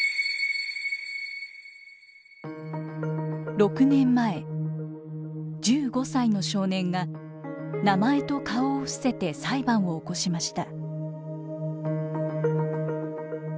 ６年前１５歳の少年が名前と顔を伏せて裁判を起こしました。